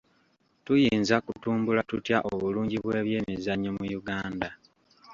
Tuyinza kutumbula tutya obulungi bw'ebyemizannyo mu Uganda?